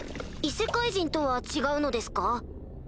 異世界人とは違うのですか？